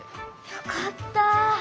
よかった。